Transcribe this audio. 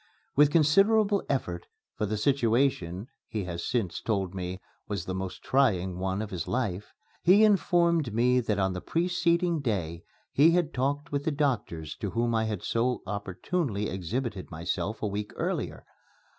With considerable effort for the situation, he has since told me, was the most trying one of his life he informed me that on the preceding day he had talked with the doctors to whom I had so opportunely exhibited myself a week earlier.